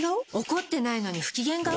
怒ってないのに不機嫌顔？